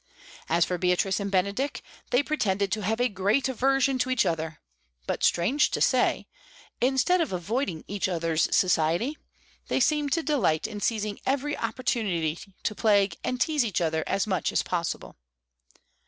As for Beatrice and Benedick, they pretended to have a great aversion to each other, but, strange to say, instead of avoiding each other's society, they seemed to delight in seizing every opportunity to plague and tease each other as much as possible.